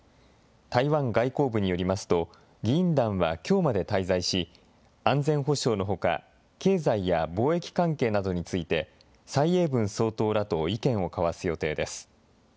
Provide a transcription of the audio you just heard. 台湾外交部によりますと、議員団はきょうまで滞在し、安全保障のほか、経済や貿易関係などについて、蔡英文総統らと意見を交わす予定です。